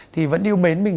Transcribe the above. thì vẫn yêu mến mình